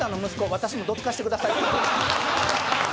私もど突かせてください」って。